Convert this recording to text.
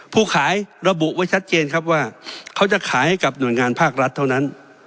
ผู้ขายระบุไว้ชัดเจนครับว่าเขาจะขายให้กับหน่วยงานภาครัฐเท่านั้น